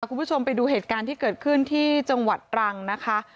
คุณผู้ชมไปดูเหตุการณ์ที่เกิดขึ้นที่จังหวัดตรังนะคะ